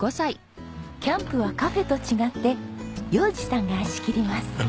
キャンプはカフェと違って洋治さんが仕切ります。